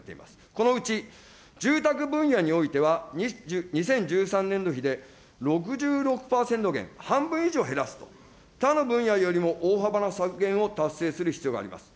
このうち住宅分野においては、２０１３年度比で６６％減、半分以上減らすと、他の分野よりも大幅な削減を達成する必要があります。